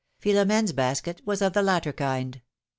Philomene's basket was of the latter kind.